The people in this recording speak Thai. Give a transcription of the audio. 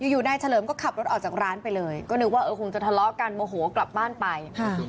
อยู่นายเฉลิมก็ขับรถออกจากร้านไปเลยก็นึกว่าเออคงจะทะเลาะกันโมโหกลับบ้านไป